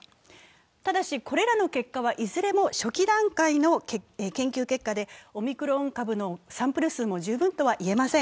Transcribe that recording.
ただしこれらの結果はいずれも初期段階の研究結果で、オミクロン株のサンプル数も十分とはいえません。